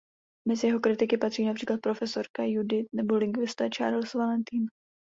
Mezi jeho kritiky patří například profesorka Judith nebo lingvista Charles Valentine.